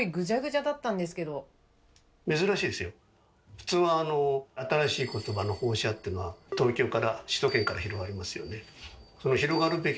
普通はあの新しい言葉の放射っていうのは東京から首都圏から広がりますよね。